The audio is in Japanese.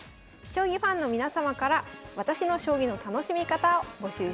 将棋ファンの皆様から「私の将棋の楽しみ方」を募集します。